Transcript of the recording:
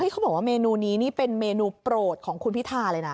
เขาบอกว่าเมนูนี้นี่เป็นเมนูโปรดของคุณพิธาเลยนะ